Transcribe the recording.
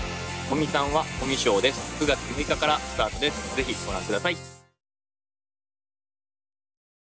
ぜひご覧下さい。